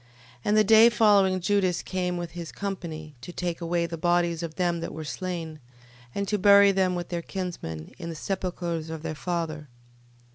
12:39. And the day following Judas came with his company, to take away the bodies of them that were slain, and to bury them with their kinsmen, in the sepulchres of their fathers.